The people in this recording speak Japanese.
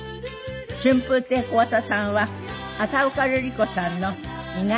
春風亭小朝さんは浅丘ルリ子さんの意外な素顔を。